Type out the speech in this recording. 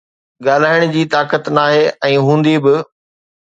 ڳالهائڻ جي طاقت ناهي ۽ هوندي به